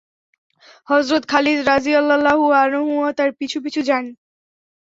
হযরত Khalid রাযিয়াল্লাহু আনহু তার পিছু পিছু যান।